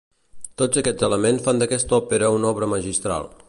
Tots aquests elements fan d'aquesta òpera una obra magistral.